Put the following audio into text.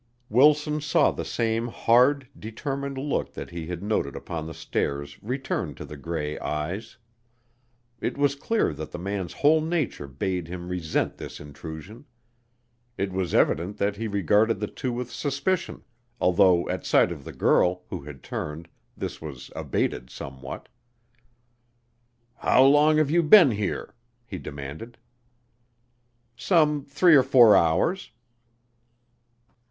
Wilson saw the same hard, determined look that he had noted upon the stairs return to the gray eyes. It was clear that the man's whole nature bade him resent this intrusion. It was evident that he regarded the two with suspicion, although at sight of the girl, who had turned, this was abated somewhat. "How long have you been here?" he demanded. "Some three or four hours."